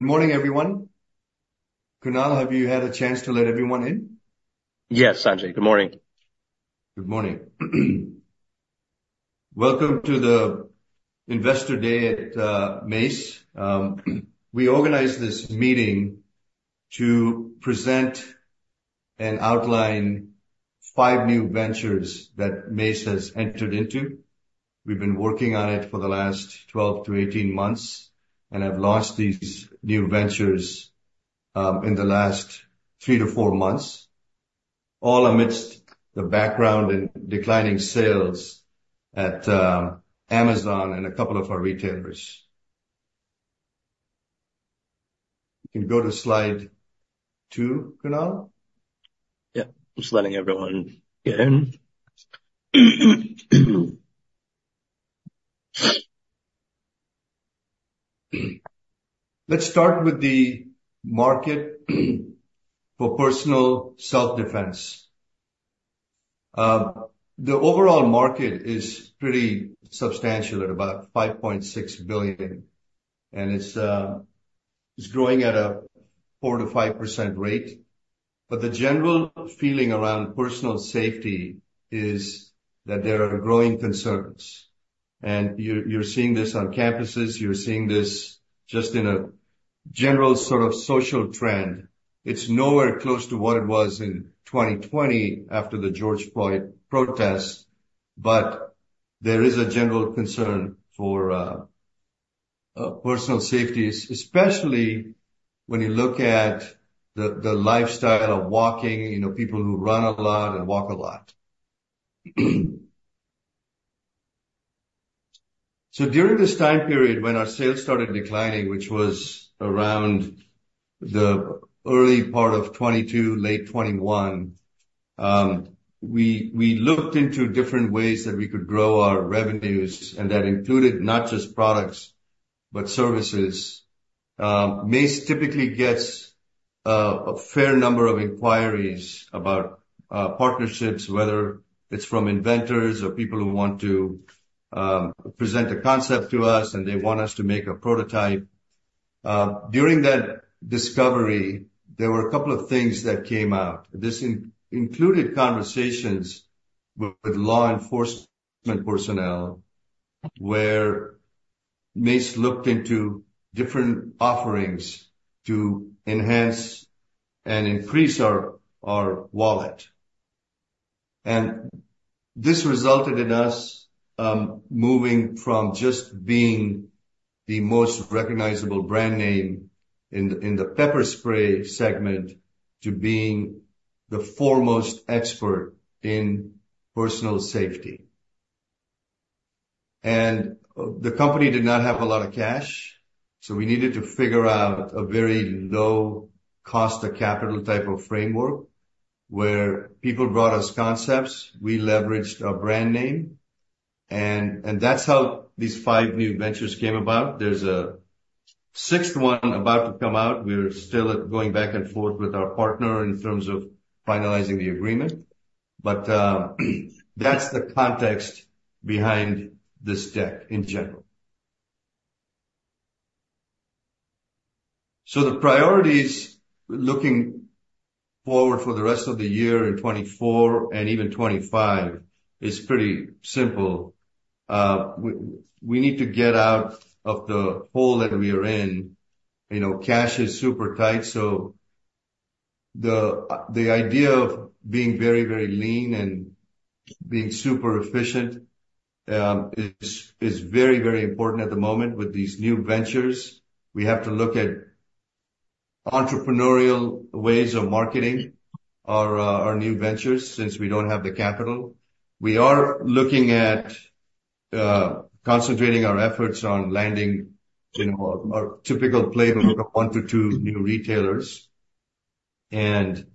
Good morning, everyone. Kunal, have you had a chance to let everyone in? Yes, Sanjay. Good morning. Good morning. Welcome to the Investor Day at Mace. We organized this meeting to present and outline five new ventures that Mace has entered into. We've been working on it for the last 12-18 months, and have launched these new ventures in the last three to four months, all amidst the background in declining sales at Amazon and a couple of our retailers. You can go to slide two, Kunal. Yeah, just letting everyone get in. Let's start with the market for personal self-defense. The overall market is pretty substantial, at about $5.6 billion, and it's growing at a 4%-5% rate. But the general feeling around personal safety is that there are growing concerns, and you're seeing this on campuses, you're seeing this just in a general sort of social trend. It's nowhere close to what it was in 2020 after the George Floyd protests, but there is a general concern for personal safety, especially when you look at the lifestyle of walking, you know, people who run a lot and walk a lot. So during this time period when our sales started declining, which was around the early part of 2022, late 2021, we looked into different ways that we could grow our revenues, and that included not just products but services. Mace typically gets a fair number of inquiries about partnerships, whether it's from inventors or people who want to present a concept to us, and they want us to make a prototype. During that discovery, there were a couple of things that came out. This included conversations with law enforcement personnel, where Mace looked into different offerings to enhance and increase our wallet. This resulted in us moving from just being the most recognizable brand name in the pepper spray segment, to being the foremost expert in personal safety. The company did not have a lot of cash, so we needed to figure out a very low cost of capital type of framework, where people brought us concepts, we leveraged our brand name, and that's how these five new ventures came about. There's a sixth one about to come out. We're still going back and forth with our partner in terms of finalizing the agreement, but that's the context behind this deck in general. So the priorities, looking forward for the rest of the year in 2024 and even 2025, is pretty simple. We need to get out of the hole that we are in. You know, cash is super tight, so the idea of being very, very lean and being super efficient is very, very important at the moment. With these new ventures, we have to look at entrepreneurial ways of marketing our new ventures, since we don't have the capital. We are looking at concentrating our efforts on landing, you know, our typical playbook of one to two new retailers. And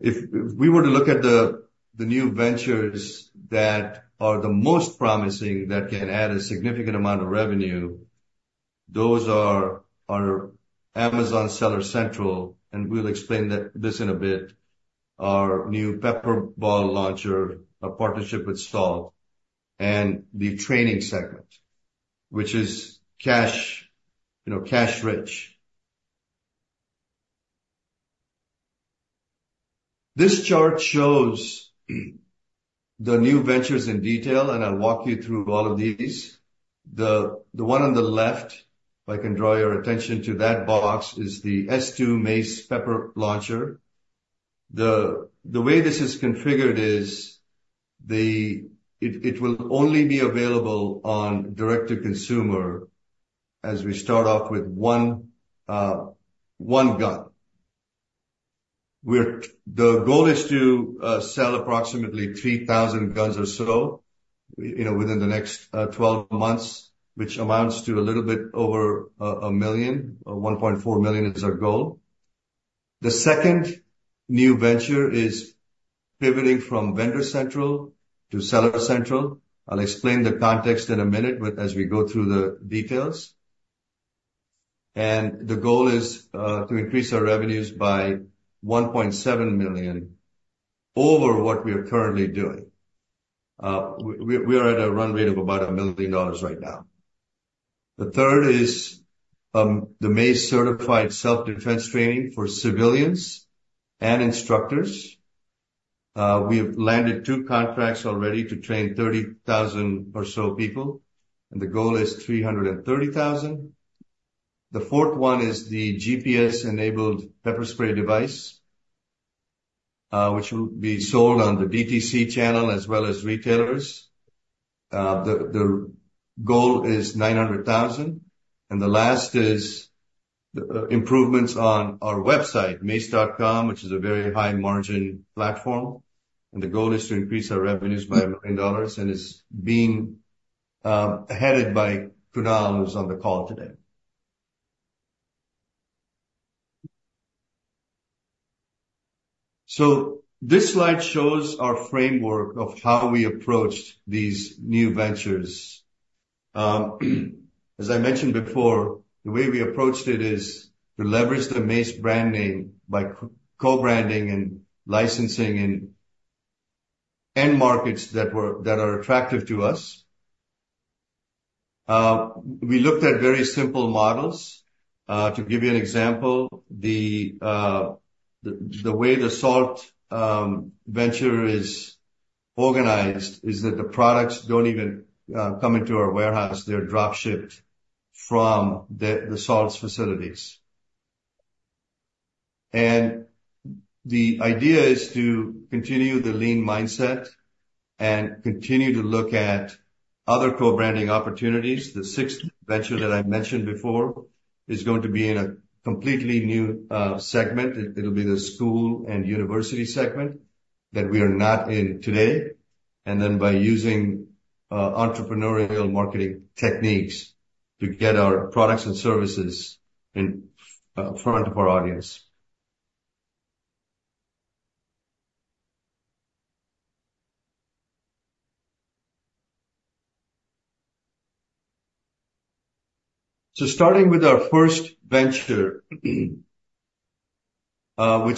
if we were to look at the new ventures that are the most promising, that can add a significant amount of revenue, those are our Amazon Seller Central, and we'll explain that—this in a bit, our new PepperBall launcher, our partnership with Salt, and the training segment, which is cash... You know, cash rich. This chart shows the new ventures in detail, and I'll walk you through all of these. The one on the left, if I can draw your attention to that box, is the s2 Mace Pepper Launcher. The way this is configured is the... It will only be available on direct to consumer as we start off with one, one gun. The goal is to sell approximately 3,000 guns or so, you know, within the next 12 months, which amounts to a little bit over $1 million or $1.4 million is our goal. The second new venture is pivoting from Vendor Central to Seller Central. I'll explain the context in a minute, but as we go through the details. The goal is to increase our revenues by $1.7 million over what we are currently doing. We are at a run rate of about $1 million right now. The third is the Mace certified self-defense training for civilians and instructors. We have landed two contracts already to train 30,000 or so people, and the goal is 330,000. The fourth one is the GPS-enabled pepper spray device, which will be sold on the DTC channel as well as retailers. The goal is $900,000, and the last is improvements on our website, mace.com, which is a very high margin platform, and the goal is to increase our revenues by $1 million, and it's being headed by Kunal, who's on the call today. So this slide shows our framework of how we approached these new ventures. As I mentioned before, the way we approached it is to leverage the Mace brand name by co-branding and licensing in end markets that are attractive to us. We looked at very simple models. To give you an example, the way the Salt venture is organized is that the products don't even come into our warehouse. They're drop shipped from the Salt's facilities. The idea is to continue the lean mindset and continue to look at other co-branding opportunities. The sixth venture that I mentioned before is going to be in a completely new segment. It'll be the school and university segment that we are not in today, and then by using entrepreneurial marketing techniques to get our products and services in front of our audience. So starting with our first venture, which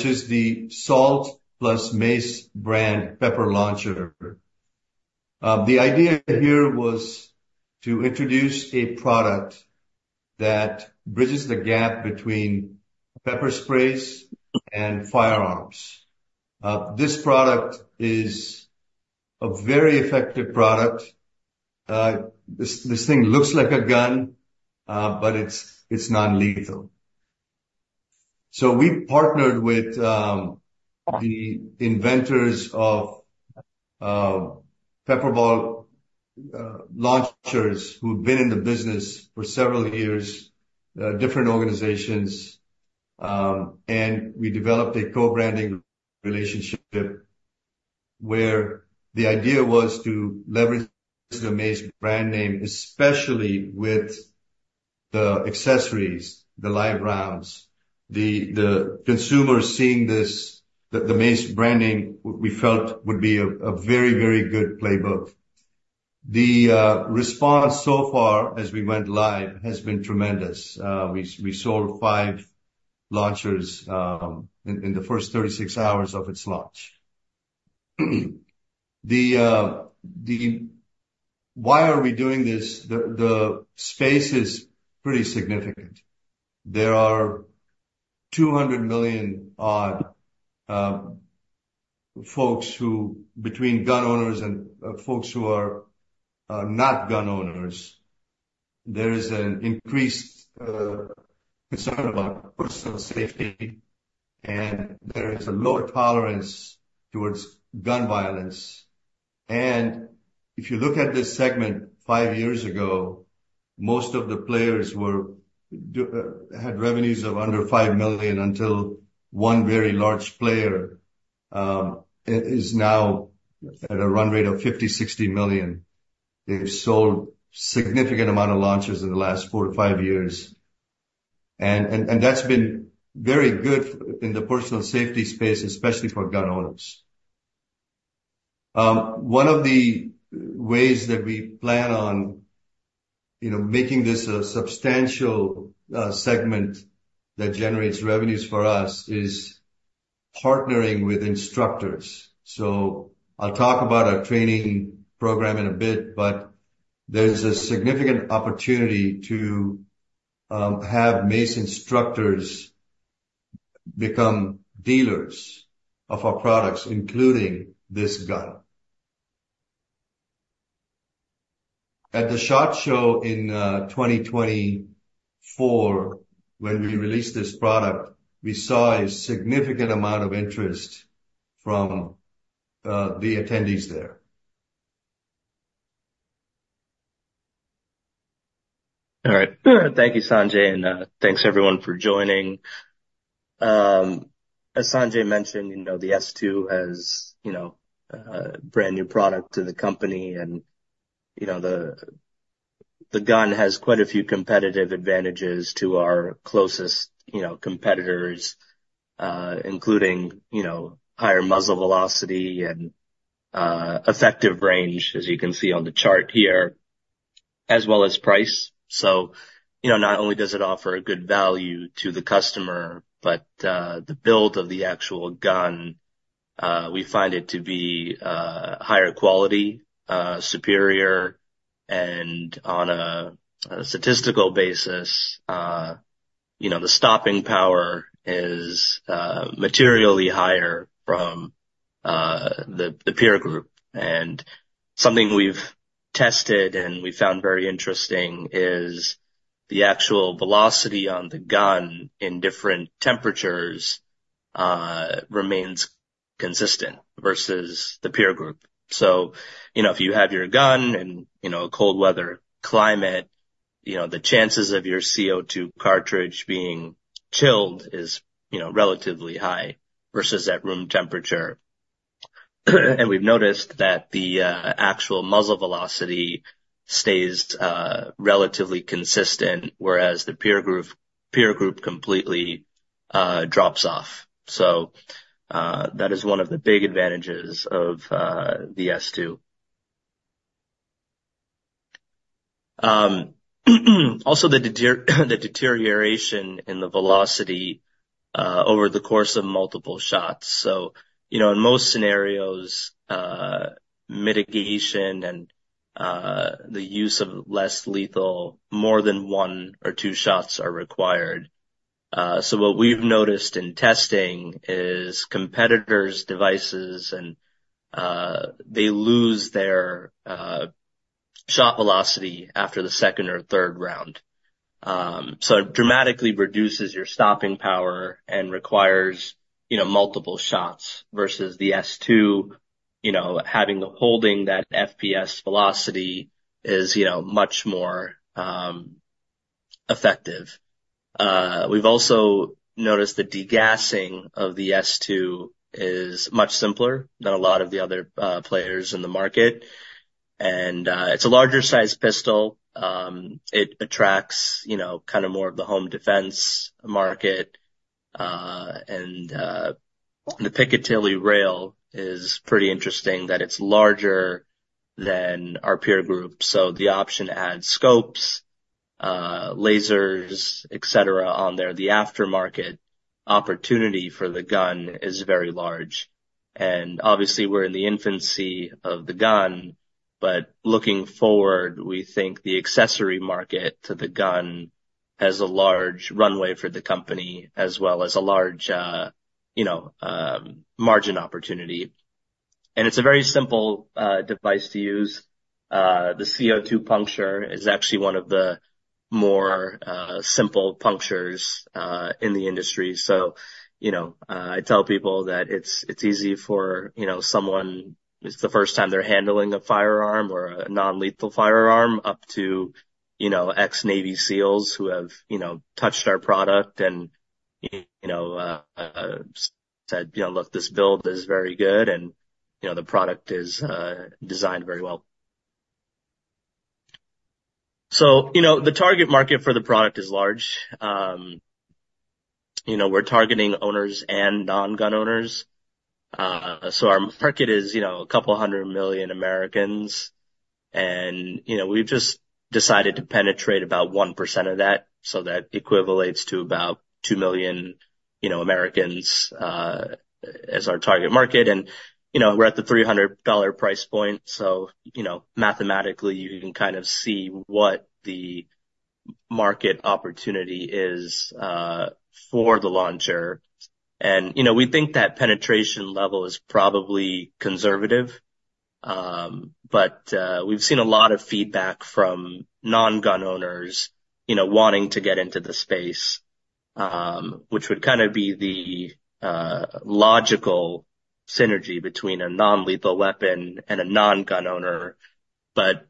is the Salt + Mace Brand pepper launcher. The idea here was to introduce a product that bridges the gap between pepper sprays and firearms. This product is a very effective product. This thing looks like a gun, but it's non-lethal. So we partnered with the inventors of pepper ball launchers, who've been in the business for several years, different organizations, and we developed a co-branding relationship where the idea was to leverage the Mace brand name, especially with the accessories, the live rounds. The consumer seeing this, the Mace branding, we felt would be a very, very good playbook. The response so far as we went live has been tremendous. We sold five launchers in the first 36 hours of its launch. Why are we doing this? The space is pretty significant. There are 200 million odd folks who, between gun owners and folks who are not gun owners, there is an increased concern about personal safety, and there is a lower tolerance towards gun violence. If you look at this segment, five years ago, most of the players had revenues of under $5 million, until one very large player is now at a run rate of $50-$60 million. They've sold significant amount of launchers in the last four to five years, and that's been very good in the personal safety space, especially for gun owners. One of the ways that we plan on, you know, making this a substantial segment that generates revenues for us, is partnering with instructors. So I'll talk about our training program in a bit, but there's a significant opportunity to have Mace instructors become dealers of our products, including this gun. At the SHOT Show in 2024, when we released this product, we saw a significant amount of interest from the attendees there. All right. Thank you, Sanjay, and, thanks everyone for joining. As Sanjay mentioned, you know, the s2 has, you know, a brand new product to the company, and, you know, the gun has quite a few competitive advantages to our closest, you know, competitors, including, you know, higher muzzle velocity and, effective range, as you can see on the chart here. As well as price. So, you know, not only does it offer a good value to the customer, but, the build of the actual gun, we find it to be, higher quality, superior, and on a statistical basis, you know, the stopping power is, materially higher from, the peer group. And something we've tested and we found very interesting is the actual velocity on the gun in different temperatures, remains consistent versus the peer group. So, you know, if you have your gun in, you know, a cold weather climate, you know, the chances of your CO2 cartridge being chilled is, you know, relatively high versus at room temperature. And we've noticed that the actual muzzle velocity stays relatively consistent, whereas the peer group completely drops off. So, that is one of the big advantages of the s2. Also the deterioration in the velocity over the course of multiple shots. So, you know, in most scenarios, mitigation and the use of less lethal, more than one or two shots are required. So what we've noticed in testing is competitors' devices and they lose their shot velocity after the second or third round. So it dramatically reduces your stopping power and requires, you know, multiple shots versus the s2, you know, having, holding that FPS velocity is, you know, much more effective. We've also noticed the degassing of the s2 is much simpler than a lot of the other players in the market. And it's a larger size pistol. It attracts, you know, kind of more of the home defense market. And the Picatinny rail is pretty interesting, that it's larger than our peer group. So the option to add scopes, lasers, et cetera, on there, the aftermarket opportunity for the gun is very large. And obviously, we're in the infancy of the gun, but looking forward, we think the accessory market to the gun has a large runway for the company, as well as a large, you know, margin opportunity. It's a very simple device to use. The CO2 puncture is actually one of the more simple punctures in the industry. So, you know, I tell people that it's, it's easy for, you know, someone, it's the first time they're handling a firearm or a non-lethal firearm, up to, you know, ex-Navy SEALs who have, you know, touched our product and, you know, said, "You know, look, this build is very good, and, you know, the product is designed very well." So, you know, the target market for the product is large. You know, we're targeting owners and non-gun owners. So our market is, you know, 200 million Americans, and, you know, we've just decided to penetrate about 1% of that, so that equates to about two million, you know, Americans, as our target market. And, you know, we're at the $300 price point, so, you know, mathematically, you can kind of see what the market opportunity is, for the launcher. And, you know, we think that penetration level is probably conservative. But, we've seen a lot of feedback from non-gun owners, you know, wanting to get into the space, which would kind of be the, logical synergy between a non-lethal weapon and a non-gun owner. But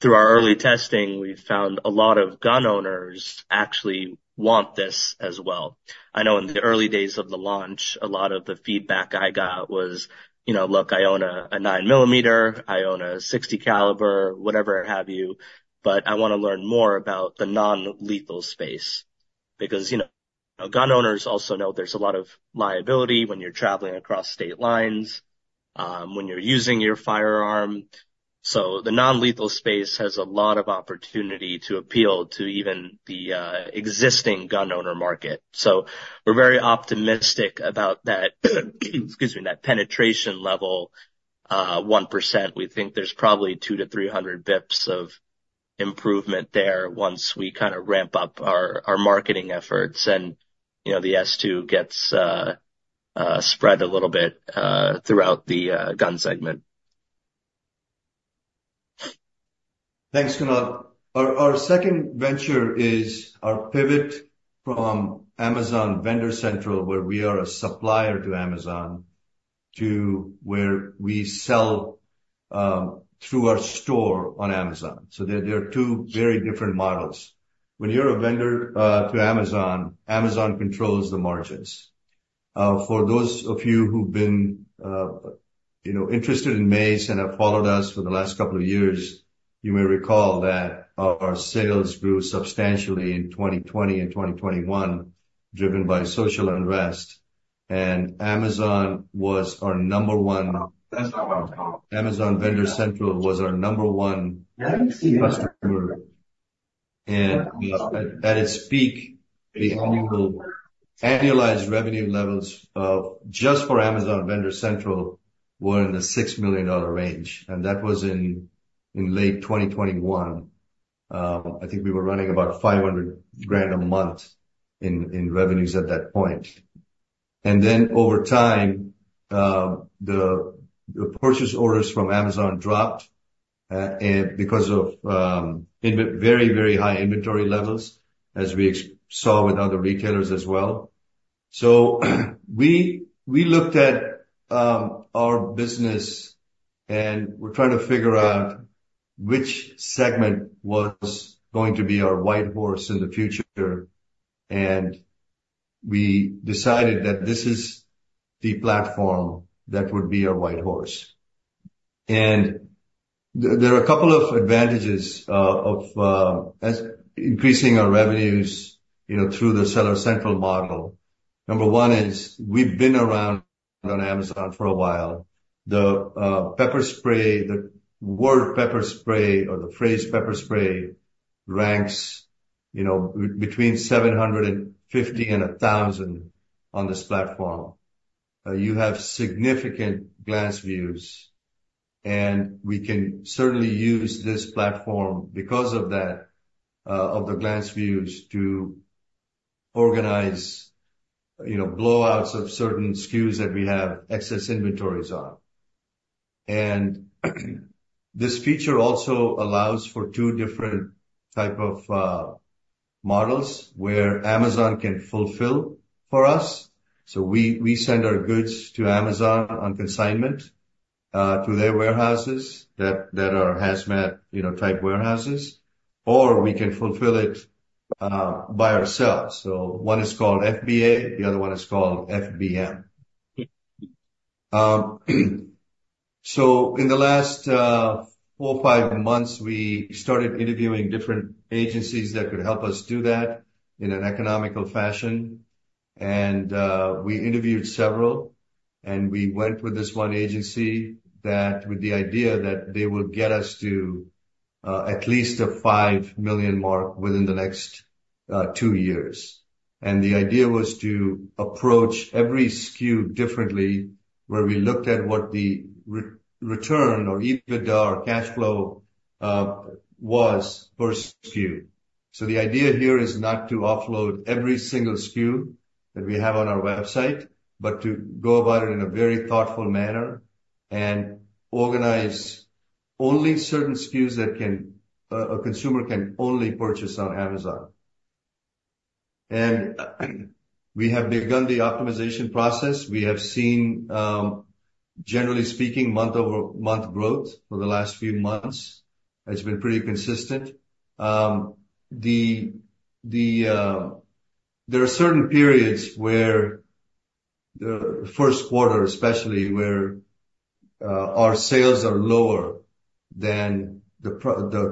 through our early testing, we've found a lot of gun owners actually want this as well. I know in the early days of the launch, a lot of the feedback I got was, you know, "Look, I own a nine millimeter, I own a 60 caliber," whatever have you, "but I want to learn more about the non-lethal space." Because, you know, gun owners also know there's a lot of liability when you're traveling across state lines, when you're using your firearm. So the non-lethal space has a lot of opportunity to appeal to even the existing gun owner market. So we're very optimistic about that, excuse me, that penetration level, 1%. We think there's probably 200-300 bps of improvement there once we kind of ramp up our marketing efforts and, you know, the s2 gets spread a little bit throughout the gun segment. Thanks, Kunal. Our second venture is our pivot from Amazon Vendor Central, where we are a supplier to Amazon, to where we sell through our store on Amazon. So they're two very different models. When you're a vendor to Amazon, Amazon controls the margins. For those of you who've been, you know, interested in Mace and have followed us for the last couple of years, you may recall that our sales grew substantially in 2020 and 2021, driven by social unrest. And Amazon was our number one. Amazon Vendor Central was our number one customer. And at its peak, the annual annualized revenue levels of just for Amazon Vendor Central were in the $6 million range, and that was in late 2021. I think we were running about $500,000 a month in revenues at that point. And then over time, the purchase orders from Amazon dropped, and because of very, very high inventory levels, as we saw with other retailers as well. So we looked at our business, and we're trying to figure out which segment was going to be our white horse in the future. And we decided that this is the platform that would be our white horse. And there are a couple of advantages of increasing our revenues, you know, through the Seller Central model. Number one is we've been around on Amazon for a while. The pepper spray, the word pepper spray or the phrase pepper spray ranks, you know, between 750 and 1,000 on this platform. You have significant Glance Views, and we can certainly use this platform because of that, of the glance views to organize, you know, blowouts of certain SKUs that we have excess inventories on. And this feature also allows for two different type of models where Amazon can fulfill for us. So we send our goods to Amazon on consignment to their warehouses that are hazmat type warehouses, or we can fulfill it by ourselves. So one is called FBA, the other one is called FBM. So in the last four to five months, we started interviewing different agencies that could help us do that in an economical fashion. And, we interviewed several, and we went with this one agency that, with the idea that they would get us to, at least a $5 million mark within the next, two years. And the idea was to approach every SKU differently, where we looked at what the return, or EBITDA, or cash flow, was per SKU. So the idea here is not to offload every single SKU that we have on our website, but to go about it in a very thoughtful manner and organize only certain SKUs that can, a consumer can only purchase on Amazon. And we have begun the optimization process. We have seen, generally speaking, month-over-month growth for the last few months. It's been pretty consistent. There are certain periods where the first quarter, especially, where our sales are lower than the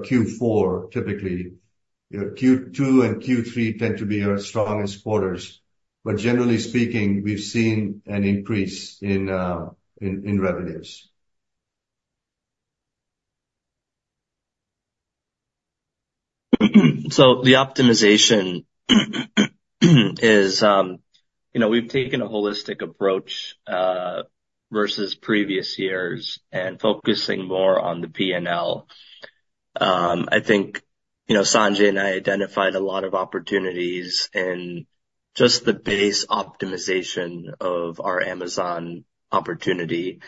Q4, typically. Q2 and Q3 tend to be our strongest quarters, but generally speaking, we've seen an increase in revenues. So the optimization, you know, we've taken a holistic approach versus previous years and focusing more on the PNL. I think, you know, Sanjay and I identified a lot of opportunities in just the base optimization of our Amazon opportunity,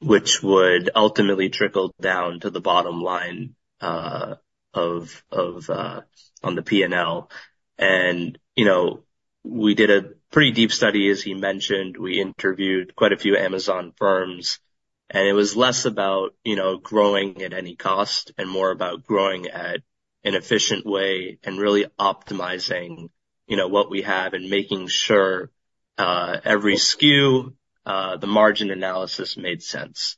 which would ultimately trickle down to the bottom line on the PNL. And, you know, we did a pretty deep study, as he mentioned. We interviewed quite a few Amazon firms, and it was less about, you know, growing at any cost and more about growing at an efficient way and really optimizing, you know, what we have and making sure every SKU the margin analysis made sense.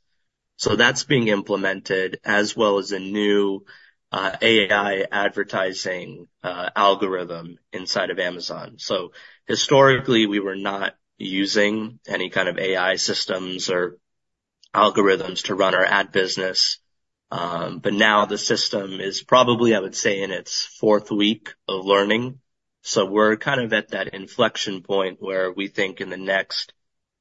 So that's being implemented as well as a new AI advertising algorithm inside of Amazon. So historically, we were not using any kind of AI systems or algorithms to run our ad business. But now the system is probably, I would say, in its 4th week of learning. So we're kind of at that inflection point where we think in the next,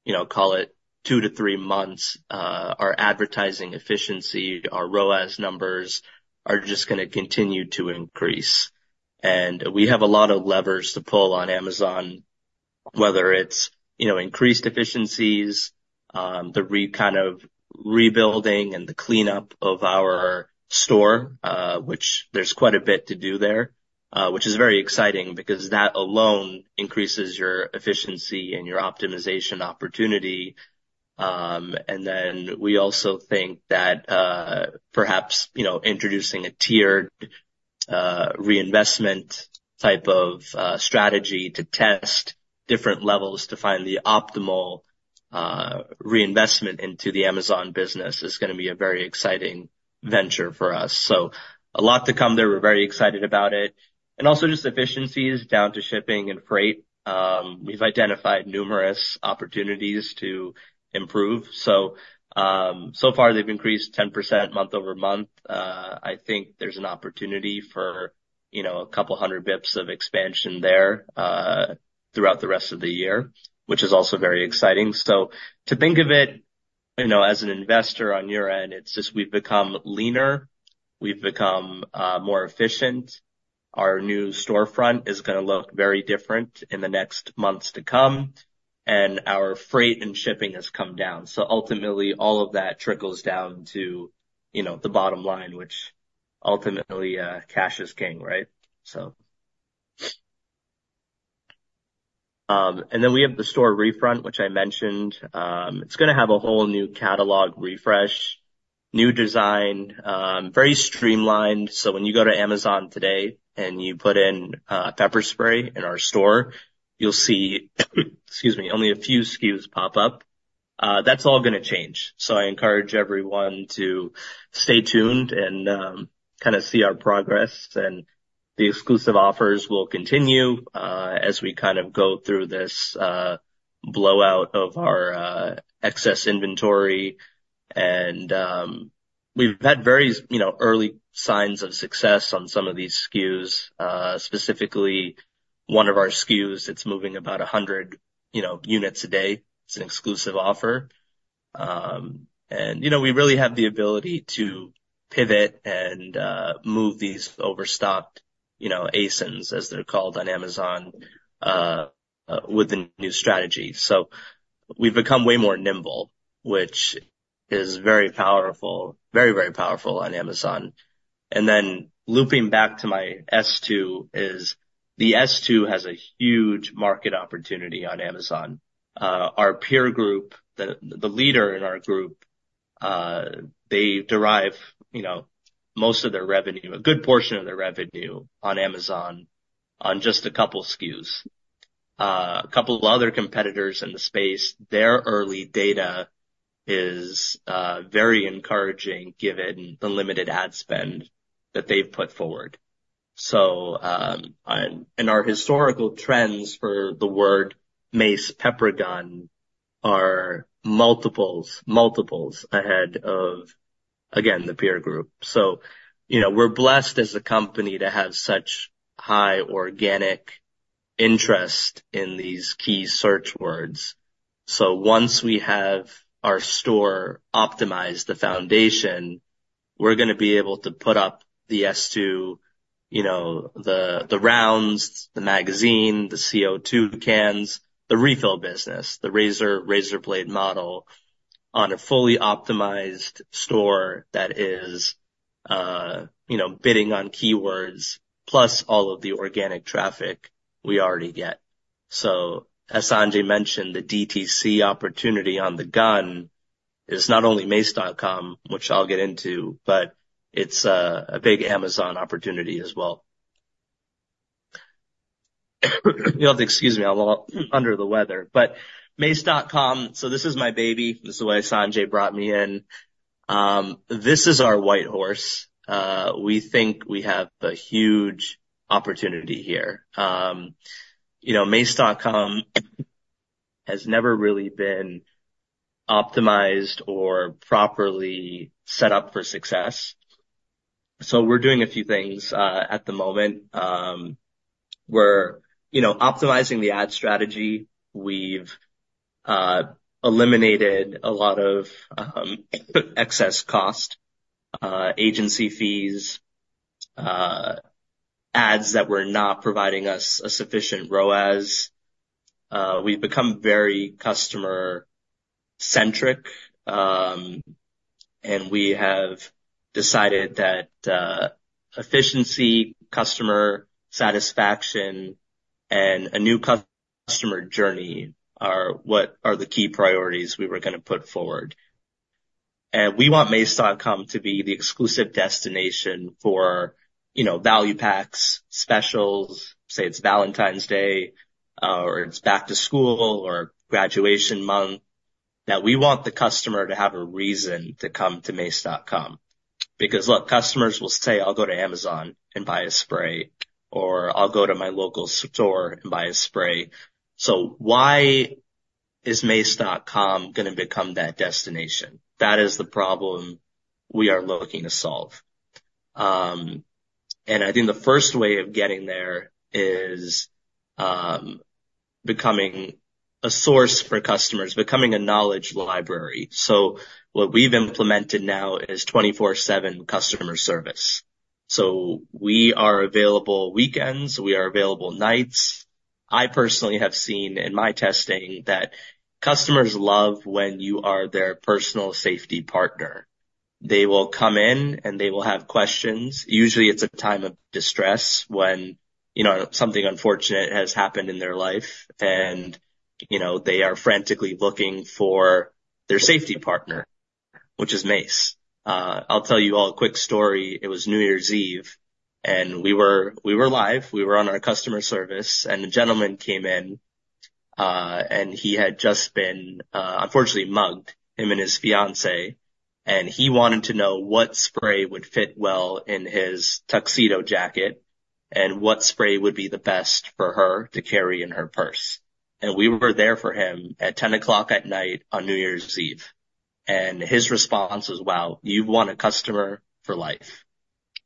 you know, call it two to three months, our advertising efficiency, our ROAS numbers, are just gonna continue to increase. And we have a lot of levers to pull on Amazon, whether it's, you know, increased efficiencies, the kind of rebuilding and the cleanup of our store, which there's quite a bit to do there. Which is very exciting because that alone increases your efficiency and your optimization opportunity. And then we also think that, perhaps, you know, introducing a tiered, reinvestment type of, strategy to test different levels to find the optimal reinvestment into the Amazon business is gonna be a very exciting venture for us. So a lot to come there, we're very excited about it. And also just efficiencies down to shipping and freight. We've identified numerous opportunities to improve, so, so far they've increased 10% month-over-month. I think there's an opportunity for, you know, a couple hundred basis points of expansion there, throughout the rest of the year, which is also very exciting. So to think of it, you know, as an investor on your end, it's just we've become leaner, we've become more efficient. Our new storefront is gonna look very different in the next months to come, and our freight and shipping has come down. So ultimately, all of that trickles down to, you know, the bottom line, which ultimately, cash is king, right? So. And then we have the storefront, which I mentioned. It's gonna have a whole new catalog refresh, new design, very streamlined. So when you go to Amazon today and you put in pepper spray in our store, you'll see, excuse me, only a few SKUs pop up. That's all gonna change. So I encourage everyone to stay tuned and kind of see our progress. The exclusive offers will continue as we kind of go through this blowout of our excess inventory. We've had very, you know, early signs of success on some of these SKUs. Specifically, one of our SKUs, it's moving about 100, you know, units a day. It's an exclusive offer. And, you know, we really have the ability to pivot and move these overstocked, you know, ASINs, as they're called on Amazon, with the new strategy. So we've become way more nimble, which is very powerful, very, very powerful on Amazon. And then looping back to my s2 is, the s2 has a huge market opportunity on Amazon. Our peer group, the leader in our group, they derive, you know, most of their revenue, a good portion of their revenue on Amazon on just a couple SKUs. A couple of other competitors in the space, their early data is very encouraging, given the limited ad spend that they've put forward. So, and our historical trends for the word Mace pepper gun are multiples, multiples ahead of, again, the peer group. So, you know, we're blessed as a company to have such high organic interest in these key search words. So once we have our store optimize the foundation, we're gonna be able to put up the s2, you know, the rounds, the magazine, the CO2 cans, the refill business, the razor, razor blade model, on a fully optimized store that is, you know, bidding on keywords, plus all of the organic traffic we already get. So as Sanjay mentioned, the DTC opportunity on the gun is not only mace.com, which I'll get into, but it's a big Amazon opportunity as well. You'll have to excuse me, I'm a little under the weather, but mace.com, so this is my baby. This is why Sanjay brought me in. This is our white horse. We think we have a huge opportunity here. You know, mace.com has never really been optimized or properly set up for success. So we're doing a few things at the moment. We're, you know, optimizing the ad strategy. We've eliminated a lot of excess cost, agency fees, ads that were not providing us a sufficient ROAS. We've become very customer-centric, and we have decided that efficiency, customer satisfaction, and a new customer journey are what are the key priorities we were gonna put forward. And we want mace.com to be the exclusive destination for, you know, value packs, specials, say it's Valentine's Day, or it's back to school, or graduation month, that we want the customer to have a reason to come to mace.com. Because look, customers will say, "I'll go to Amazon and buy a spray," or, "I'll go to my local store and buy a spray." So why is mace.com gonna become that destination? That is the problem we are looking to solve. And I think the first way of getting there is becoming a source for customers, becoming a knowledge library. So what we've implemented now is 24/7 customer service. So we are available weekends, we are available nights. I personally have seen in my testing that customers love when you are their personal safety partner. They will come in, and they will have questions. Usually, it's a time of distress when, you know, something unfortunate has happened in their life and, you know, they are frantically looking for their safety partner... Which is Mace. I'll tell you all a quick story. It was New Year's Eve, and we were, we were live, we were on our customer service, and a gentleman came in, and he had just been unfortunately mugged, him and his fiancée, and he wanted to know what spray would fit well in his tuxedo jacket, and what spray would be the best for her to carry in her purse. And we were there for him at 10:00 P.M. on New Year's Eve, and his response was: "Wow, you've won a customer for life."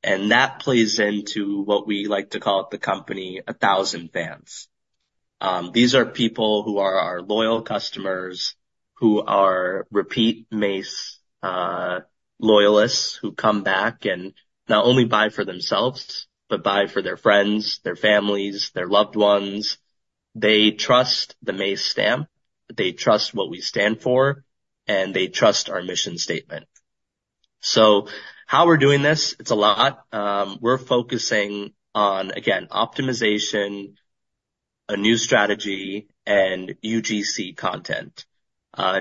And that plays into what we like to call at the company a thousand fans. These are people who are our loyal customers, who are repeat Mace loyalists, who come back and not only buy for themselves, but buy for their friends, their families, their loved ones. They trust the Mace stamp, they trust what we stand for, and they trust our mission statement. So how we're doing this, it's a lot. We're focusing on, again, optimization, a new strategy, and UGC content.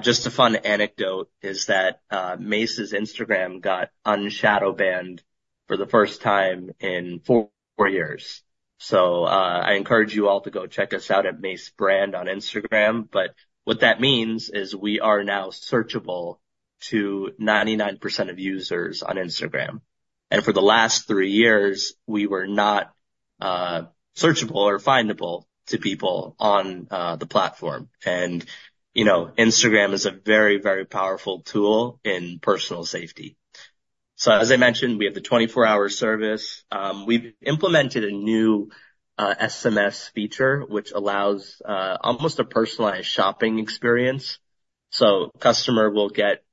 Just a fun anecdote is that, Mace's Instagram got un-shadowbanned for the first time in four years. So, I encourage you all to go check us out at Mace Brand on Instagram. But what that means is we are now searchable to 99% of users on Instagram, and for the last three years, we were not, searchable or findable to people on, the platform. And, you know, Instagram is a very, very powerful tool in personal safety. So as I mentioned, we have the 24-hour service. We've implemented a new, SMS feature, which allows, almost a personalized shopping experience. So a customer will get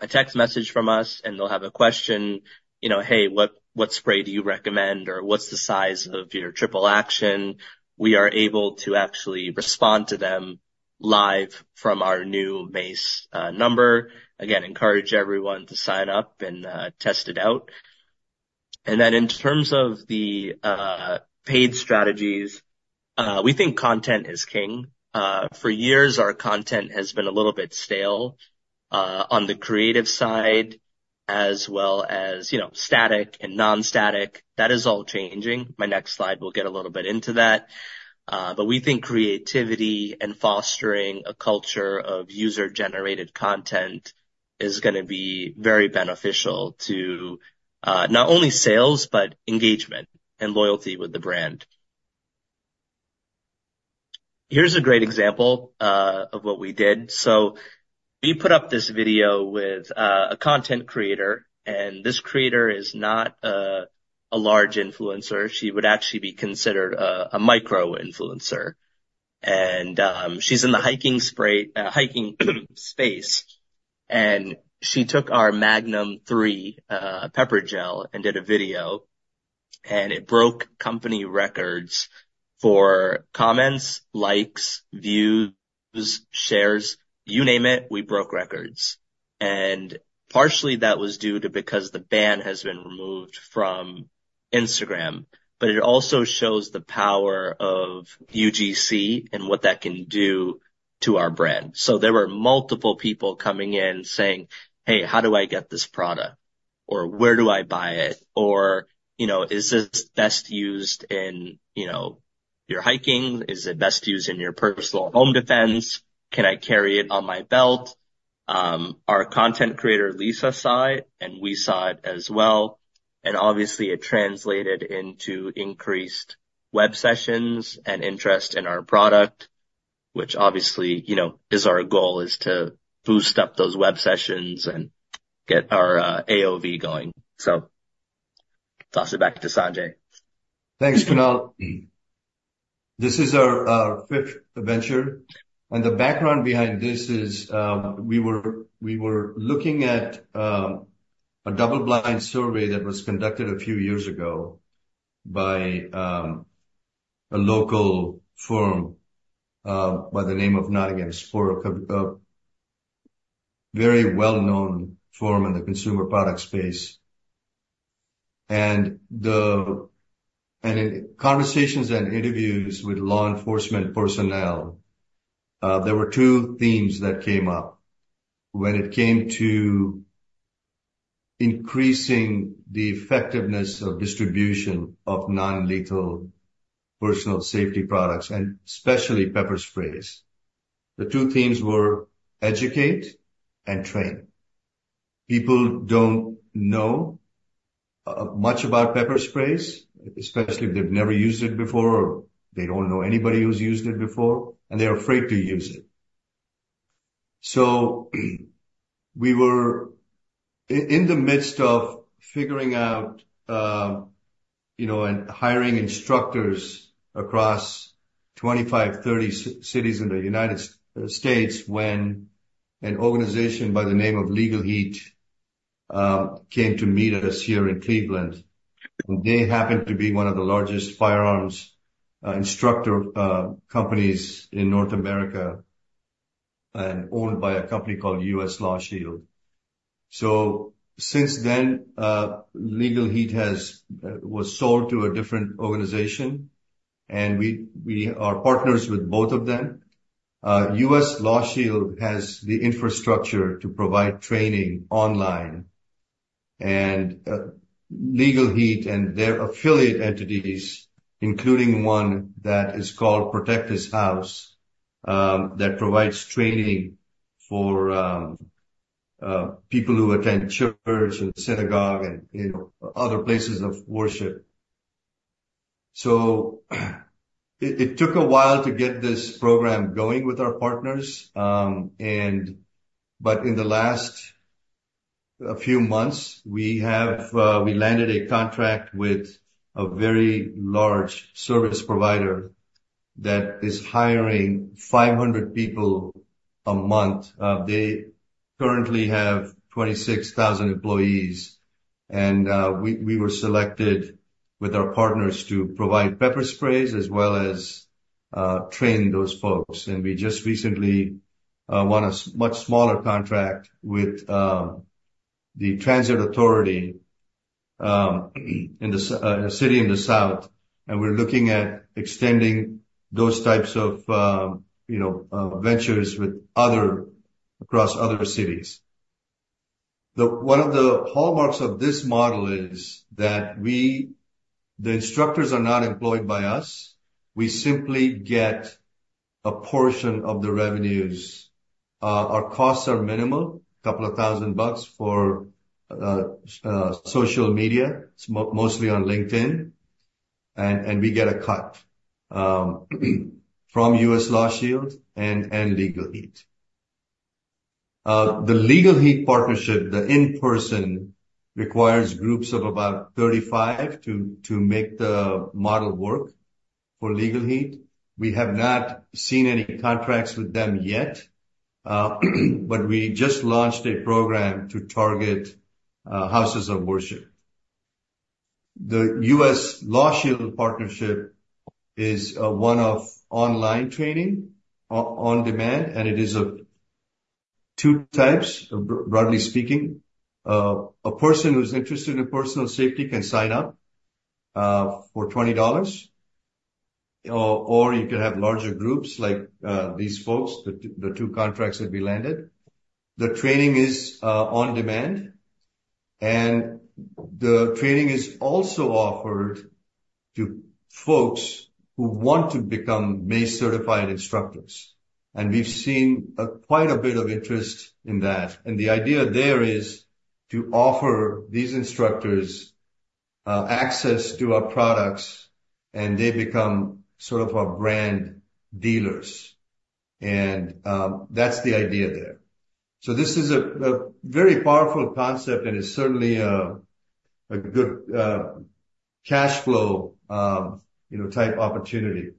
a text message from us, and they'll have a question, you know, "Hey, what, what spray do you recommend? Or what's the size of your Triple Action?" We are able to actually respond to them live from our new Mace number. Again, encourage everyone to sign up and test it out. And then in terms of the paid strategies, we think content is king. For years, our content has been a little bit stale on the creative side, as well as, you know, static and non-static. That is all changing. My next slide will get a little bit into that. But we think creativity and fostering a culture of user-generated content is gonna be very beneficial to not only sales, but engagement and loyalty with the brand. Here's a great example of what we did. So we put up this video with a content creator, and this creator is not a large influencer. She would actually be considered a micro-influencer. And she's in the hiking space, and she took our Magnum 3 Pepper Gel and did a video, and it broke company records for comments, likes, views, shares, you name it, we broke records. And partially, that was due to because the ban has been removed from Instagram, but it also shows the power of UGC and what that can do to our brand. So there were multiple people coming in saying, "Hey, how do I get this product? Or where do I buy it? Or, you know, is this best used in, you know, your hiking? Is it best used in your personal home defense? Can I carry it on my belt?" Our content creator, Lisa, saw it, and we saw it as well, and obviously, it translated into increased web sessions and interest in our product, which obviously, you know, is our goal, is to boost up those web sessions and get our AOV going. So toss it back to Sanjay. Thanks, Kunal. This is our fifth venture, and the background behind this is, we were looking at a double-blind survey that was conducted a few years ago by a local firm by the name of Nielsen, a sort of very well-known firm in the consumer product space. In conversations and interviews with law enforcement personnel, there were two themes that came up when it came to increasing the effectiveness of distribution of non-lethal personal safety products, and especially pepper sprays. The two themes were educate and train. People don't know much about pepper sprays, especially if they've never used it before, or they don't know anybody who's used it before, and they're afraid to use it. So we were in the midst of figuring out, you know, and hiring instructors across 25-30 cities in the United States, when an organization by the name of Legal Heat came to meet us here in Cleveland. They happened to be one of the largest firearms instructor companies in North America and owned by a company called U.S. LawShield. So since then, Legal Heat has, was sold to a different organization. And we are partners with both of them. U.S. LawShield has the infrastructure to provide training online, and Legal Heat and their affiliate entities, including one that is called Protect His House, that provides training for people who attend church and synagogue and, you know, other places of worship. So it took a while to get this program going with our partners, and in the last few months, we have landed a contract with a very large service provider that is hiring 500 people a month. They currently have 26,000 employees, and we were selected with our partners to provide pepper sprays as well as train those folks. We just recently won a much smaller contract with the transit authority in a city in the south, and we're looking at extending those types of, you know, ventures with others across other cities. One of the hallmarks of this model is that the instructors are not employed by us. We simply get a portion of the revenues. Our costs are minimal, a couple thousand bucks for social media, mostly on LinkedIn, and we get a cut from U.S. LawShield and Legal Heat. The Legal Heat partnership, the in-person, requires groups of about 35 to make the model work for Legal Heat. We have not seen any contracts with them yet, but we just launched a program to target houses of worship. The U.S. LawShield partnership is one of online training on demand, and it is two types, broadly speaking. A person who's interested in personal safety can sign up for $20, or you can have larger groups like these folks, the two contracts that we landed. The training is on demand, and the training is also offered to folks who want to become Mace-certified instructors, and we've seen quite a bit of interest in that. The idea there is to offer these instructors access to our products, and they become sort of our brand dealers. That's the idea there. So this is a very powerful concept and is certainly a good cash flow, you know, type opportunity.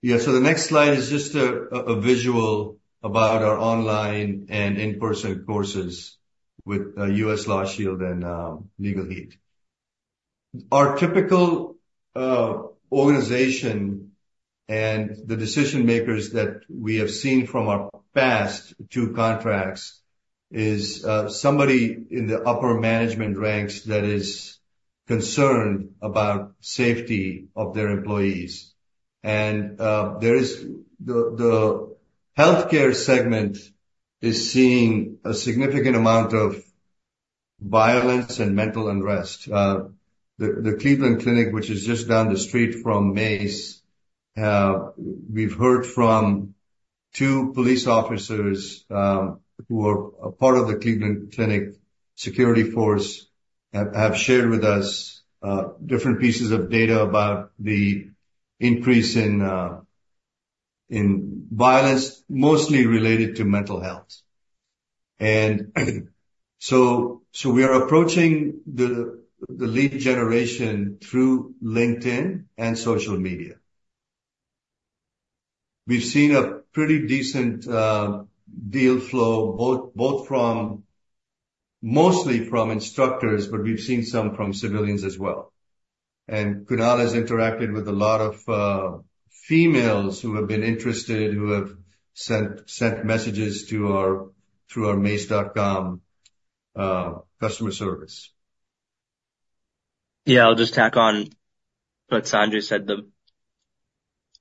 Yeah, so the next slide is just a visual about our online and in-person courses with U.S. LawShield and Legal Heat. Our typical organization and the decision makers that we have seen from our past two contracts is somebody in the upper management ranks that is concerned about safety of their employees. And, there is the healthcare segment is seeing a significant amount of violence and mental unrest. The Cleveland Clinic, which is just down the street from Mace, we've heard from two police officers, who are a part of the Cleveland Clinic security force, have shared with us different pieces of data about the increase in violence, mostly related to mental health. And so we are approaching the lead generation through LinkedIn and social media. We've seen a pretty decent deal flow, both from mostly from instructors, but we've seen some from civilians as well. And Kunal has interacted with a lot of females who have been interested, who have sent messages to our through our mace.com customer service. Yeah, I'll just tack on what Sanjay said.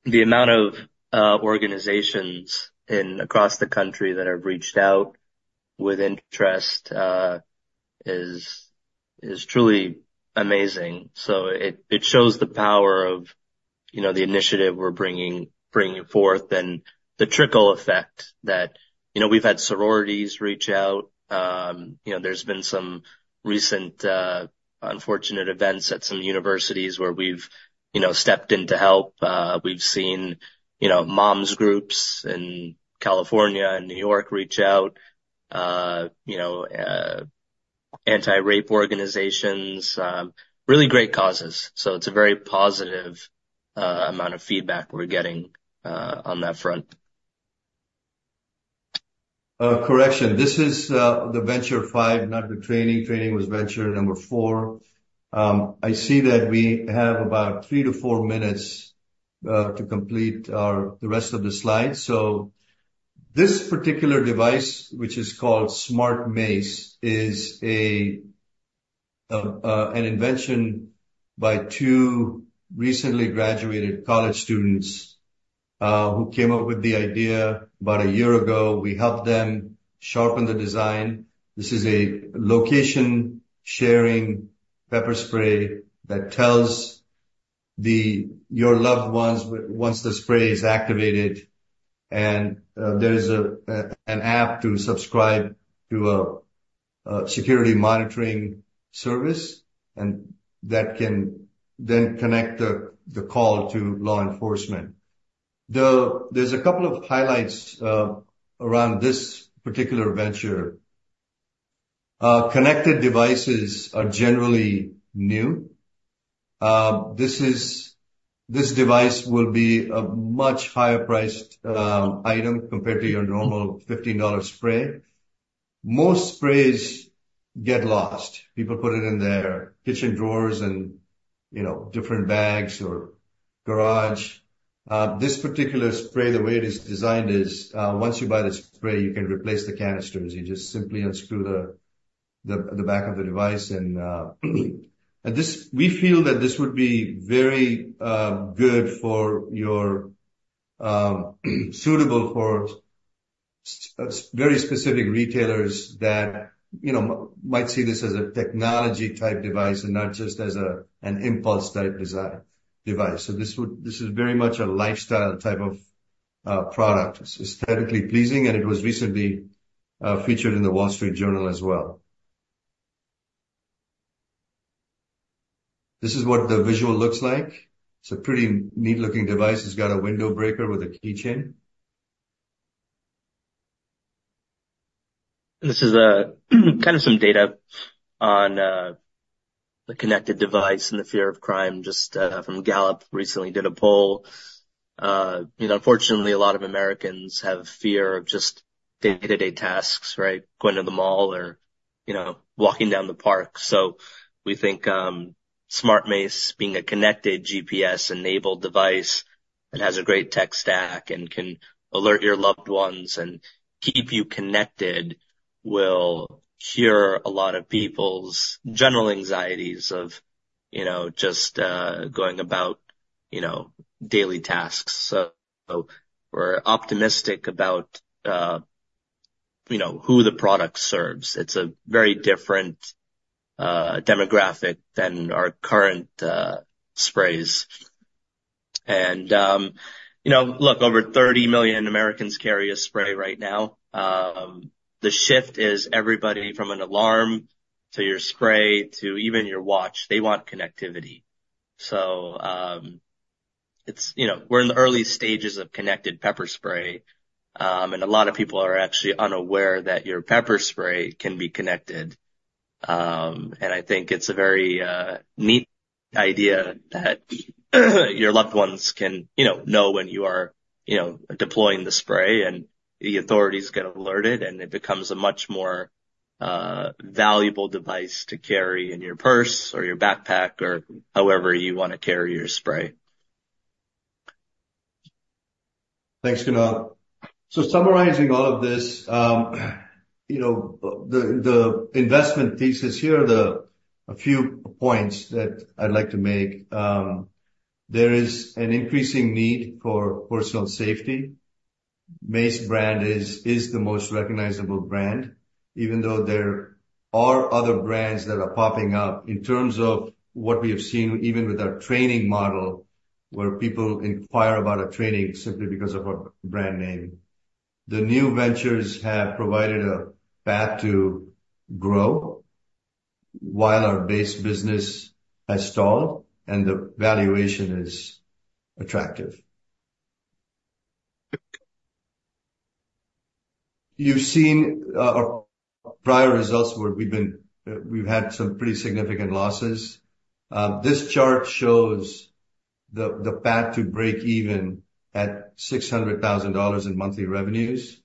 The amount of organizations across the country that have reached out with interest is truly amazing. So it shows the power of, you know, the initiative we're bringing forth and the trickle effect that... You know, we've had sororities reach out. You know, there's been some recent unfortunate events at some universities where we've, you know, stepped in to help. We've seen, you know, moms groups in California and New York reach out, you know, anti-rape organizations, really great causes. So it's a very positive amount of feedback we're getting on that front. Correction, this is the venture five, not the training. Training was venture number four. I see that we have about three to four minutes to complete the rest of the slide. So this particular device, which is called Smart Mace, is an invention by two recently graduated college students who came up with the idea about a year ago. We helped them sharpen the design. This is a location-sharing pepper spray that tells your loved ones once the spray is activated, and there's an app to subscribe to a security monitoring service, and that can then connect the call to law enforcement. There's a couple of highlights around this particular venture. Connected devices are generally new. This device will be a much higher priced item compared to your normal $15 spray. Most sprays get lost. People put it in their kitchen drawers and, you know, different bags or garage. This particular spray, the way it is designed is, once you buy the spray, you can replace the canisters. You just simply unscrew the back of the device and this. We feel that this would be very good for your suitable for very specific retailers that, you know, might see this as a technology-type device and not just as a, an impulse-type device. So this would this is very much a lifestyle type of product. It's aesthetically pleasing, and it was recently featured in the Wall Street Journal as well. This is what the visual looks like. It's a pretty neat looking device. It's got a window breaker with a keychain. This is kind of some data on the connected device and the fear of crime, just from Gallup, recently did a poll. You know, unfortunately, a lot of Americans have fear of just day-to-day tasks, right? Going to the mall or, you know, walking down the park. So we think Smart Mace, being a connected GPS-enabled device that has a great tech stack and can alert your loved ones and keep you connected, will cure a lot of people's general anxieties of, you know, just going about, you know, daily tasks. So we're optimistic about, you know, who the product serves. It's a very different demographic than our current sprays. And you know, look, over 30 million Americans carry a spray right now. The shift is everybody from an alarm, to your spray, to even your watch, they want connectivity. So, it's, you know, we're in the early stages of connected pepper spray, and a lot of people are actually unaware that your pepper spray can be connected. And I think it's a very neat idea that, your loved ones can, you know, know when you are, you know, deploying the spray, and the authorities get alerted, and it becomes a much more valuable device to carry in your purse or your backpack, or however you want to carry your spray. Thanks, Kunal. So summarizing all of this, you know, the investment thesis here, a few points that I'd like to make. There is an increasing need for personal safety. Mace Brand is the most recognizable brand, even though there are other brands that are popping up in terms of what we have seen, even with our training model, where people inquire about our training simply because of our brand name. The new ventures have provided a path to grow while our base business has stalled, and the valuation is attractive. You've seen our prior results where we've been, we've had some pretty significant losses. This chart shows the path to break even at $600,000 in monthly revenues.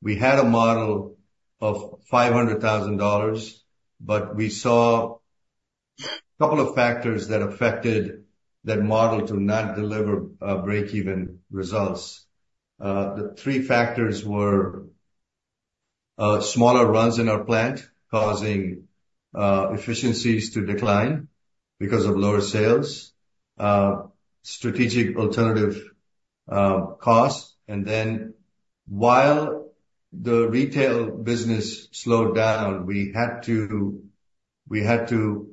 We had a model of $500,000, but we saw a couple of factors that affected that model to not deliver breakeven results. The three factors were smaller runs in our plant, causing efficiencies to decline because of lower sales, strategic alternative costs, and then while the retail business slowed down, we had to, we had to,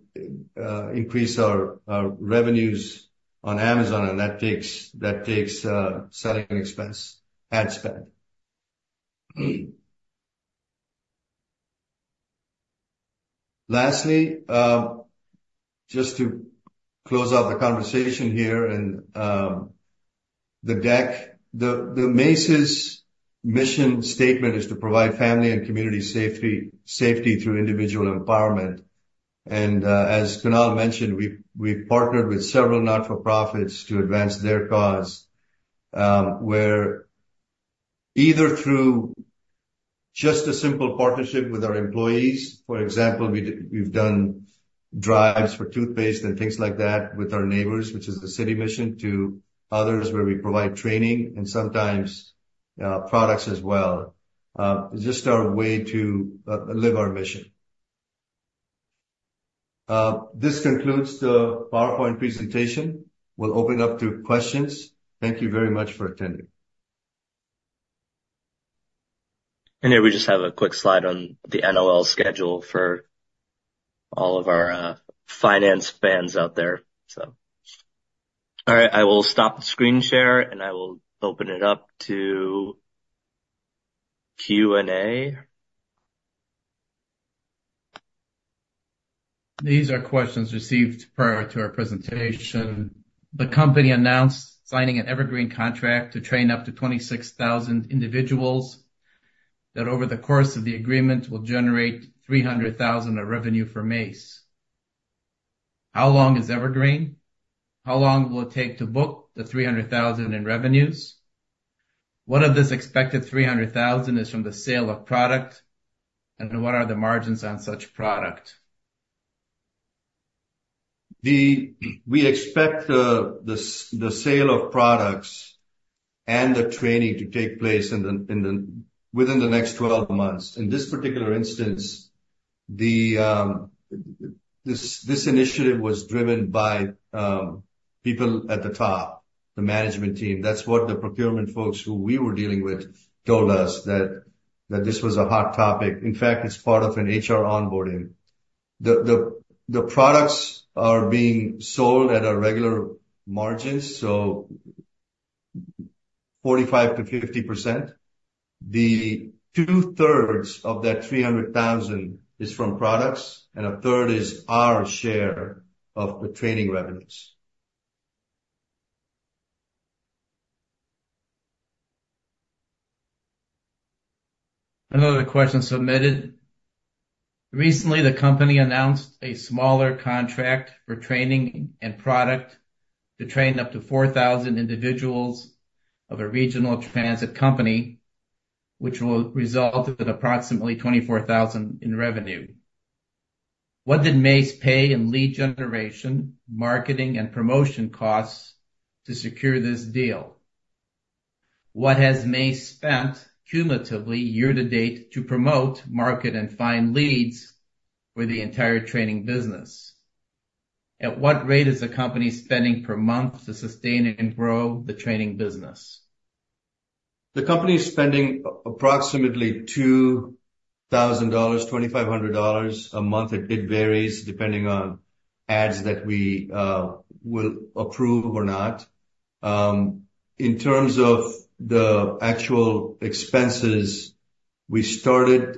increase our revenues on Amazon, and that takes selling expense, ad spend. Lastly, just to close out the conversation here, and the deck. The Mace's mission statement is to provide family and community safety, safety through individual empowerment. And as Kunal mentioned, we've partnered with several not-for-profits to advance their cause, where-... Either through just a simple partnership with our employees, for example, we've done drives for toothpaste and things like that with our neighbors, which is The City Mission, to others, where we provide training and sometimes products as well. It's just our way to live our mission. This concludes the PowerPoint presentation. We'll open it up to questions. Thank you very much for attending. Here we just have a quick slide on the NOL schedule for all of our finance fans out there, so. All right, I will stop the screen share, and I will open it up to Q&A. These are questions received prior to our presentation. The company announced signing an evergreen contract to train up to 26,000 individuals, that over the course of the agreement will generate $300,000 of revenue for Mace. How long is Evergreen? How long will it take to book the $300,000 in revenues? What of this expected $300,000 is from the sale of product, and what are the margins on such product? We expect the sale of products and the training to take place within the next 12 months. In this particular instance, this initiative was driven by people at the top, the management team. That's what the procurement folks who we were dealing with told us that this was a hot topic. In fact, it's part of an HR onboarding. The products are being sold at our regular margins, so 45%-50%. Two-thirds of that $300,000 is from products, and a third is our share of the training revenues. Another question submitted. Recently, the company announced a smaller contract for training and product to train up to 4,000 individuals of a regional transit company, which will result in approximately $24,000 in revenue. What did Mace pay in lead generation, marketing, and promotion costs to secure this deal? What has Mace spent cumulatively year to date to promote, market, and find leads for the entire training business? At what rate is the company spending per month to sustain and grow the training business? The company is spending approximately $2,000, $2,500 a month. It varies depending on ads that we will approve or not. In terms of the actual expenses, we started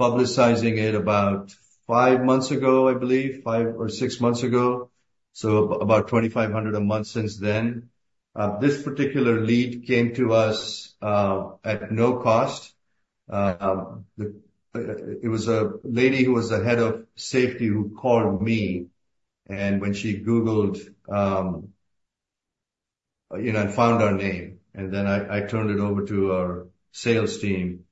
publicizing it about five months ago, I believe, five or six months ago, so about $2,500 a month since then. This particular lead came to us at no cost. It was a lady who was the head of safety, who called me, and when she googled you know and found our name, and then I turned it over to our sales team.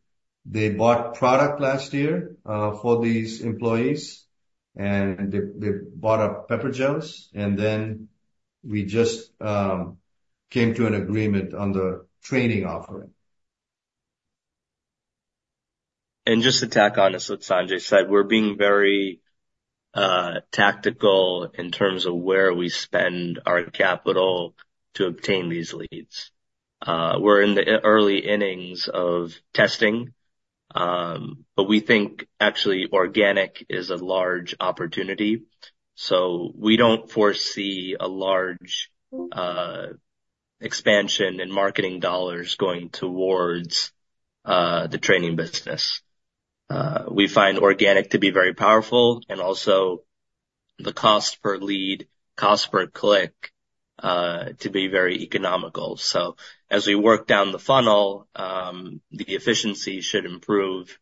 They bought product last year for these employees, and they bought up pepper gels, and then we just came to an agreement on the training offering. Just to tack on to what Sanjay said, we're being very tactical in terms of where we spend our capital to obtain these leads. We're in the early innings of testing, but we think actually organic is a large opportunity, so we don't foresee a large expansion in marketing dollars going towards the training business. We find organic to be very powerful and also the cost per lead, cost per click, to be very economical. So as we work down the funnel, the efficiency should improve,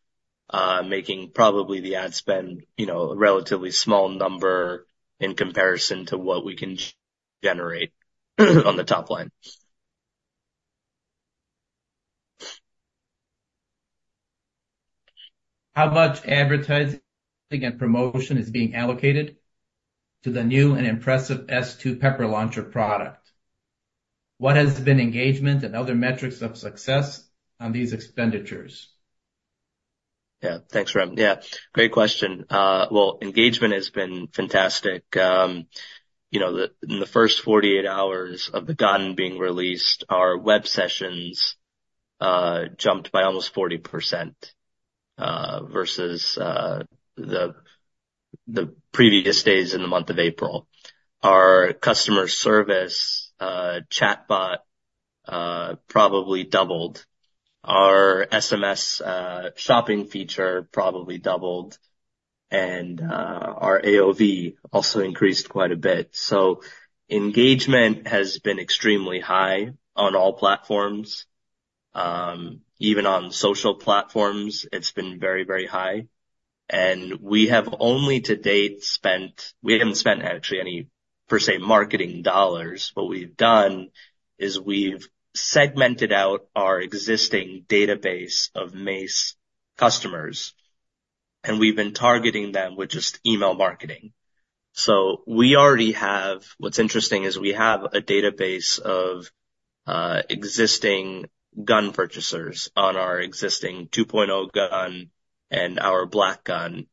making probably the ad spend, you know, a relatively small number in comparison to what we can generate on the top line. How much advertising and promotion is being allocated to the new and impressive s2 Pepper Launcher product? What has been engagement and other metrics of success on these expenditures? Yeah. Thanks, Rem. Yeah, great question. Well, engagement has been fantastic. You know, in the first 48 hours of the gun being released, our web sessions jumped by almost 40% versus the previous days in the month of April. Our customer service chatbot probably doubled. Our SMS shopping feature probably doubled, and our AOV also increased quite a bit. So engagement has been extremely high on all platforms. Even on social platforms, it's been very, very high... And we have only to date spent, we haven't spent actually any per se marketing dollars. What we've done is we've segmented out our existing database of Mace customers, and we've been targeting them with just email marketing. So we already have -- what's interesting is we have a database of existing gun purchasers on our existing 2.0 gun and our black gun,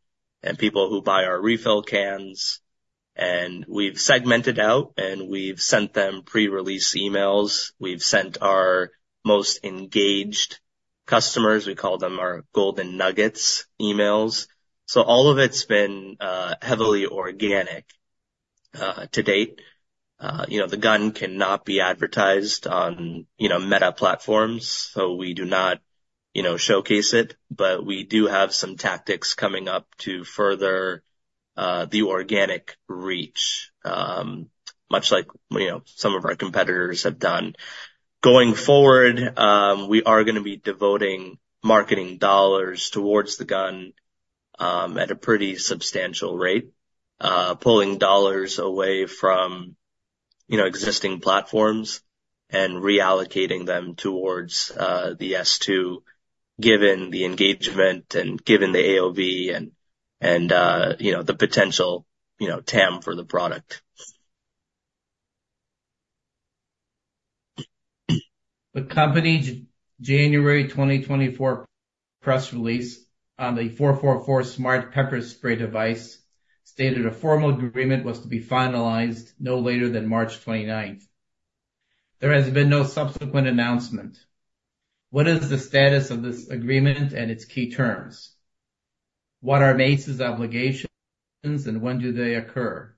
and people who buy our refill cans. We've segmented out, and we've sent them pre-release emails. We've sent our most engaged customers, we call them our golden nuggets, emails. So all of it's been heavily organic to date. You know, the gun cannot be advertised on Meta platforms, so we do not showcase it. But we do have some tactics coming up to further the organic reach, much like some of our competitors have done. Going forward, we are gonna be devoting marketing dollars towards the gun at a pretty substantial rate. Pulling dollars away from, you know, existing platforms and reallocating them towards the s2, given the engagement and given the AOV and you know, the potential, you know, TAM for the product. The company January 2024 press release on the four four four smart pepper spray device stated a formal agreement was to be finalized no later than March 29th. There has been no subsequent announcement. What is the status of this agreement and its key terms? What are Mace's obligations, and when do they occur?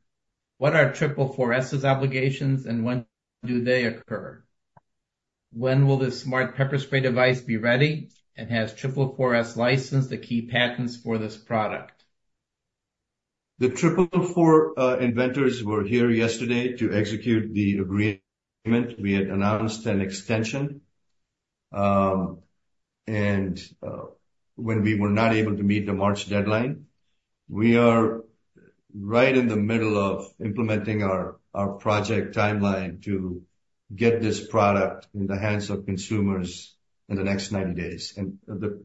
What are Triple4s obligations, and when do they occur? When will this smart pepper spray device be ready? And has Triple4s licensed the key patents for this product? The Triple Four inventors were here yesterday to execute the agreement. We had announced an extension, and when we were not able to meet the March deadline, we are right in the middle of implementing our project timeline to get this product in the hands of consumers in the next 90 days, and the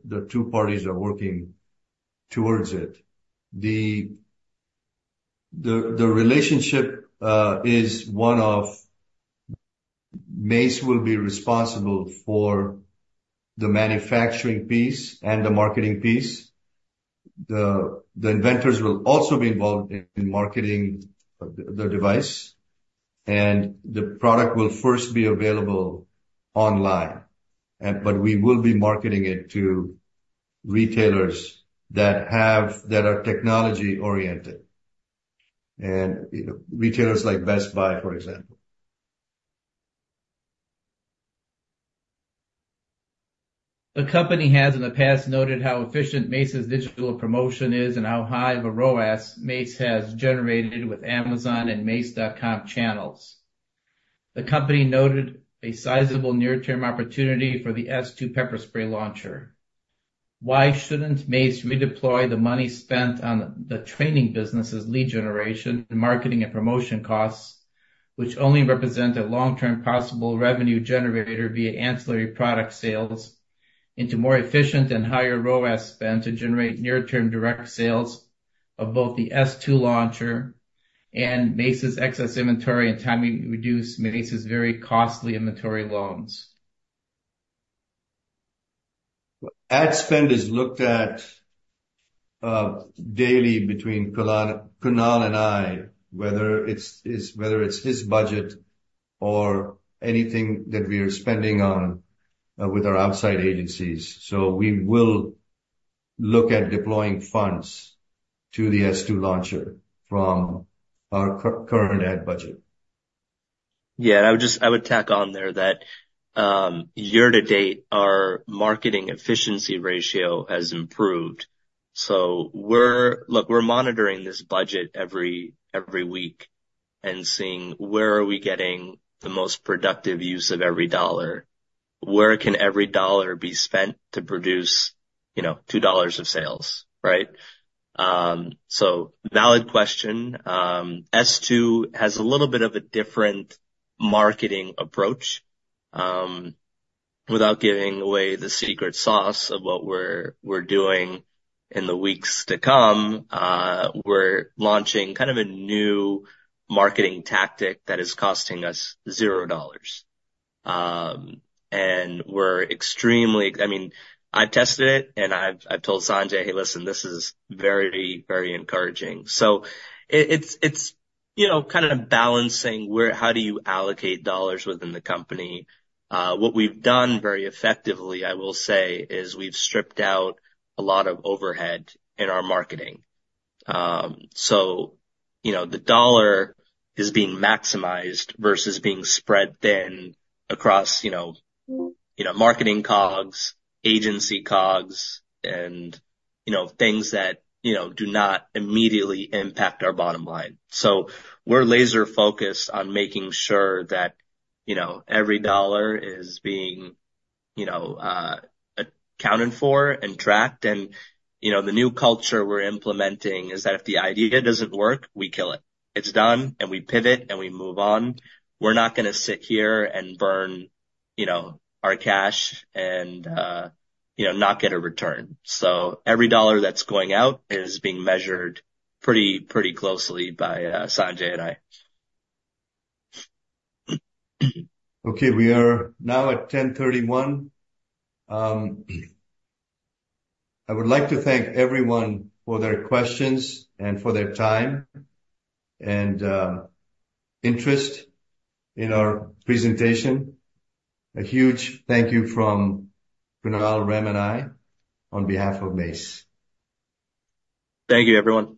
relationship is one of Mace will be responsible for the manufacturing piece and the marketing piece. The inventors will also be involved in marketing the device, and the product will first be available online. But we will be marketing it to retailers that are technology-oriented, and, you know, retailers like Best Buy, for example. The company has in the past noted how efficient Mace's digital promotion is and how high of a ROAS Mace has generated with Amazon and mace.com channels. The company noted a sizable near-term opportunity for the s2 pepper spray launcher. Why shouldn't Mace redeploy the money spent on the training business' lead generation and marketing and promotion costs, which only represent a long-term possible revenue generator via ancillary product sales into more efficient and higher ROAS spend to generate near-term direct sales of both the s2 launcher and Mace's excess inventory and thereby reduce Mace's very costly inventory loans? Ad spend is looked at daily between Kunal, Kunal and I, whether it's this budget or anything that we are spending on with our outside agencies. So we will look at deploying funds to the s2 launcher from our current ad budget. Yeah, I would just tack on there that year to date, our marketing efficiency ratio has improved. So look, we're monitoring this budget every week and seeing where are we getting the most productive use of every dollar. Where can every dollar be spent to produce, you know, $2 of sales, right? So valid question. s2 has a little bit of a different marketing approach. Without giving away the secret sauce of what we're doing in the weeks to come, we're launching kind of a new marketing tactic that is costing us $0. And we're extremely. I mean, I've tested it, and I've told Sanjay, "Hey, listen, this is very, very encouraging." So it's, you know, kind of balancing where how do you allocate dollars within the company? What we've done very effectively, I will say, is we've stripped out a lot of overhead in our marketing. So, you know, the dollar is being maximized versus being spread thin across, you know, you know, marketing COGS, agency COGS, and, you know, things that, you know, do not immediately impact our bottom line. So we're laser focused on making sure that, you know, every dollar is being, you know, accounted for and tracked. And, you know, the new culture we're implementing is that if the idea doesn't work, we kill it. It's done, and we pivot, and we move on. We're not gonna sit here and burn, you know, our cash and, you know, not get a return. So every dollar that's going out is being measured pretty, pretty closely by Sanjay and I. Okay, we are now at 10:31 A.M. I would like to thank everyone for their questions and for their time and interest in our presentation. A huge thank you from Kunal, Ram, and I on behalf of Mace. Thank you, everyone.